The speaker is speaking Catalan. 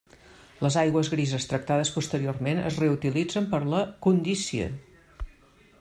Les aigües grises tractades posteriorment es reutilitzen per a la condícia.